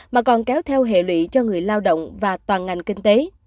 mà còn kéo theo hệ lụy cho người lao động và toàn ngành kinh tế